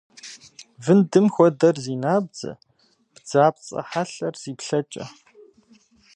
Вындым хуэдэр зи набдзэ, бдзапцӏэ хьэлъэр зи плъэкӏэ.